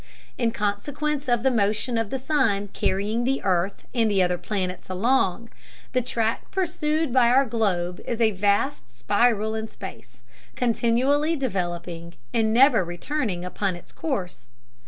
In consequence of the motion of the sun carrying the earth and the other planets along, the track pursued by our globe is a vast spiral in space continually developing and never returning upon its course.